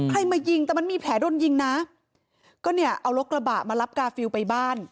มายิงแต่มันมีแผลโดนยิงนะก็เนี่ยเอารถกระบะมารับกาฟิลไปบ้าน